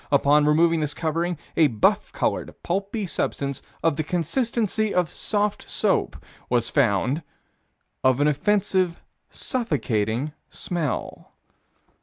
Upon removing this covering, a buff colored, pulpy substance of the consistency of soft soap, was found "of an offensive, suffocating smell."